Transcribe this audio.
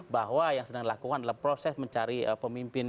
bahwa yang sedang dilakukan adalah proses mencari pemimpin